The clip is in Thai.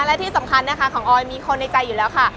และที่สำคัญนะคะของออยมีคนในใจอยู่แล้วค่ะ